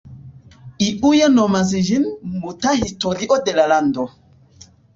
Iuj nomas ĝin: ""Muta historio de la lando"".